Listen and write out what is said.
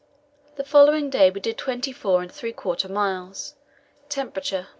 The following day we did twenty four and three quarter miles; temperature, 32.